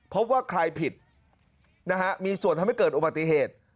พบว่าใครผิดนะฮะมีส่วนทำให้เกิดอุบัติเหตุ